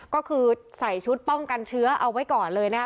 ก็คือใส่ชุดป้องกันเชื้อเอาไว้ก่อนเลยนะคะ